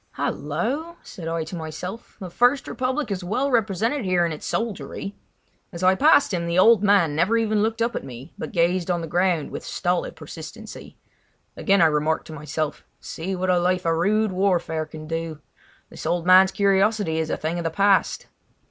"Hallo!" said I to myself; "the First Republic is well represented here in its soldiery." As I passed him the old man never even looked up at me, but gazed on the ground with stolid persistency. Again I remarked to myself: "See what a life of rude warfare can do! This old man's curiosity is a thing of the past."